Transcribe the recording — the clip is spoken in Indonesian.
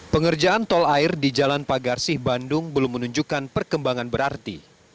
pengerjaan tol air di jalan pagarsih bandung belum menunjukkan perkembangan berarti